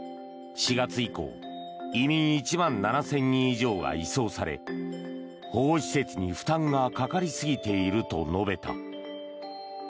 ４月以降、移民１万７０００人以上が移送され保護施設に負担がかかりすぎていると述べた。